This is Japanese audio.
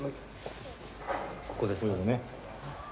ここですか？